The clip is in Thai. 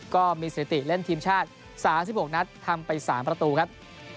ก็มีสถิติเล่นทีมชาติ๓๖นัดทำไป๓ประตูครับ